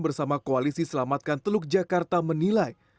bersama koalisi selamatkan teluk jakarta menilai